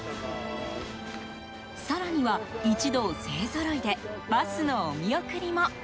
更には、一同勢ぞろいでバスのお見送りも。